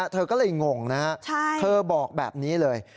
เธอก็เลยงงนะฮะเธอบอกแบบนี้เลย